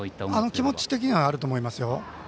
気持ち的にはあると思いますよ。